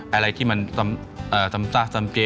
อะไรที่มันซ้าซำเจ